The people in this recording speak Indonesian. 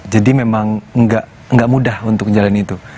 jadi memang gak mudah untuk menjalani itu